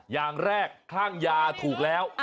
อย่างแรกคลั่งยาถูกแล้ว